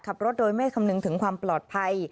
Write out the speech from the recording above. ขับรถโดยไม่คำนึงถึงความปลอดภัย